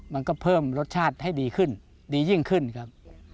มันก็เพิ่มรสชาติให้ดีขึ้นดียิ่งขึ้นครับ